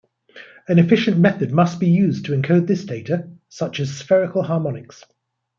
An efficient method must be used to encode this data, such as spherical harmonics.